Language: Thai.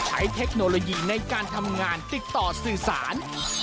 เทคโนโลยีในการทำงานติดต่อสื่อสาร